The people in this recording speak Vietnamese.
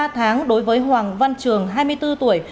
ba tháng đối với hoàng văn trường hai mươi bốn tuổi